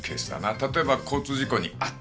例えば交通事故に遭った。